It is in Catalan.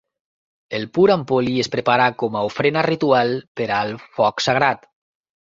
El puran poli es prepara com a ofrena ritual per al foc sagrat.